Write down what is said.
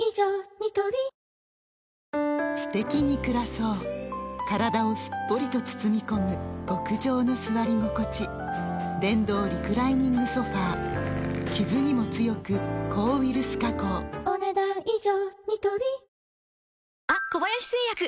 ニトリすてきに暮らそう体をすっぽりと包み込む極上の座り心地電動リクライニングソファ傷にも強く抗ウイルス加工お、ねだん以上。